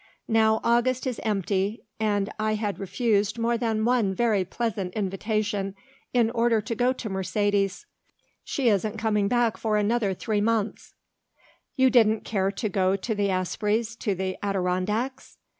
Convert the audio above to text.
Now August is empty and I had refused more than one very pleasant invitation in order to go to Mercedes. She isn't coming back for another three months." "You didn't care to go with the Aspreys to the Adirondacks?"